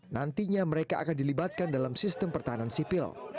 nantinya mereka akan dilibatkan dalam sistem pertahanan sipil